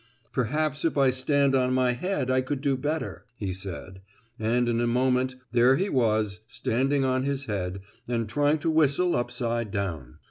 "Perhaps if I stand on my head I could do better," he said, and in a moment there he was standing on his head and trying to whistle upside down.